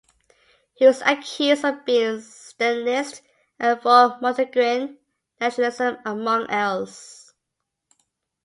He was accused of being Stalinist and for Montenegrin nationalism among else.